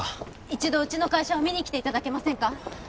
一度うちの会社を見に来ていただけませんか？